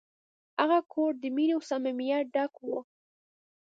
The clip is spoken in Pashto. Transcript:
هغه کور د مینې او صمیمیت ډک و.